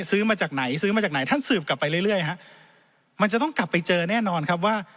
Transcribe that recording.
ซื้อมาจากไหนซื้อมาจากไหนท่านสืบกลับไปเรื่อยฮะมันจะต้องกลับไปเจอแน่นอนครับว่า